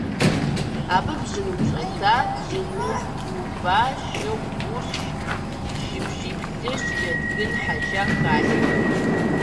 Абы бжьын упщӀэта, бжьыныху уба, шыгъу, бурш, шыбжий плъыжь, джэдгын хьэжа халъхьэ.